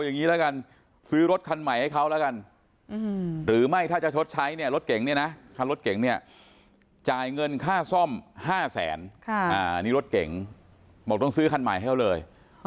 นี่รถเก่งบอกต้องซื้อคันใหม่ให้เขาเลย